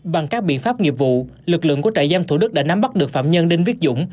bằng các biện pháp nghiệp vụ lực lượng của trại giam thủ đức đã nắm bắt được phạm nhân đinh viết dũng